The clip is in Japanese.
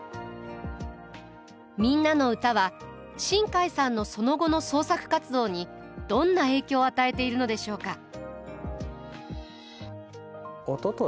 「みんなのうた」は新海さんのその後の創作活動にどんな影響を与えているのでしょうか。